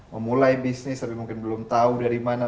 memulai bisnis tapi mungkin belum tahu dari mana